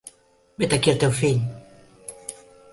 Vet aquí el teu fill.